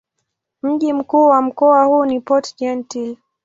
Mji mkuu wa mkoa huu ni Port-Gentil.